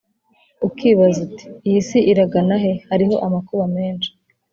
ukibaza uti iyi si iragana he Hariho amakuba menshi